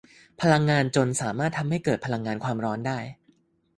พลังงานจลน์สามารถทำให้เกิดพลังงานความร้อนได้